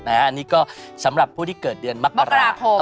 อันนี้ก็สำหรับผู้ที่เกิดเดือนมกราคม